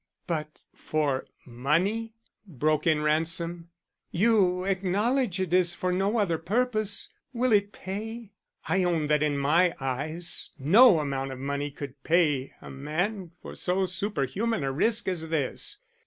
"But for money?" broke in Ransom. "You acknowledge it is for no other purpose. Will it pay? I own that in my eyes no amount of money could pay a man for so superhuman a risk as this.